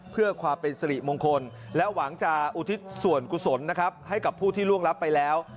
เพื่อความเป็นสริมงคลและหวังจะอุทิศส่วนกุศลนะครับให้กับผู้ที่ล่วงรับไปแล้ว